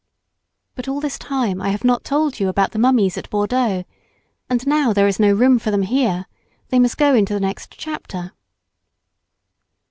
But all this time I have not told you about the mummies at Bordeaux. And now there is no room for them here. They must go into the next chapter.